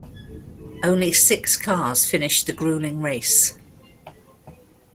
Only six cars finished the gruelling race.